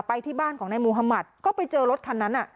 ที่บ้านของนายมุธมัติก็ไปเจอรถคันนั้น